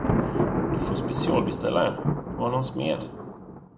Du får specialbeställa en, av någon smed.